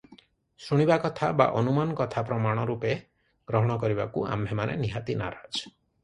ଶୁଣିବା କଥା ବା ଅନୁମାନ କଥା ପ୍ରମାଣ ରୂପେ ଗ୍ରହଣ କରିବାକୁ ଆମ୍ଭେମାନେ ନିହାତି ନାରାଜ ।